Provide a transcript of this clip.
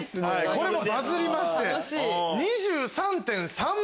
これもバズりまして。